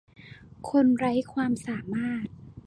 คนไร้ความสามารถ